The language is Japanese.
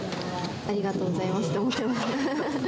ありがとうございますと思っています。